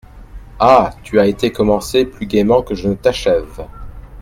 Ah ! tu as été commencée plus gaiement que je ne t’achève.